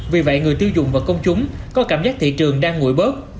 vì vậy người tiêu dùng và công chúng có cảm giác thị trường đang ngủi bớt